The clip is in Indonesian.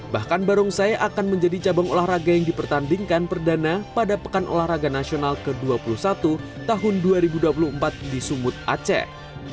bahkan barongsai akan menjadi cabang olahraga yang dipertandingkan perdana pada pekan olahraga nasional ke dua puluh satu tahun dua ribu dua puluh empat di sumut aceh